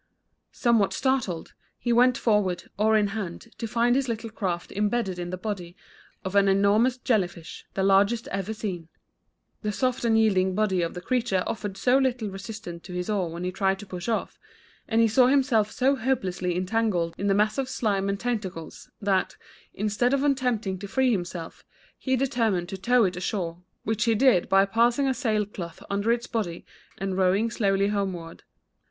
Somewhat startled, he went forward, oar in hand, to find his little craft imbedded in the body of an enormous jelly fish, the largest ever seen. The soft and yielding body of the creature offered so little resistance to his oar when he tried to push off, and he saw himself so hopelessly entangled in the mass of slime and tentacles, that, instead of attempting to free himself, he determined to tow it ashore, which he did by passing a sail cloth under its body and rowing slowly homeward.